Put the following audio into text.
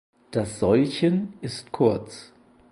Das Säulchen ist kurz.